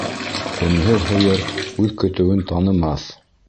Һөмһөҙ һыйыр үҙ көтөүен танымаҫ.